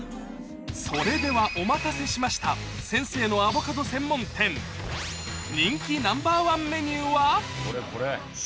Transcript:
それではお待たせしました先生のアボカド専門店人気ナンバー１メニューは？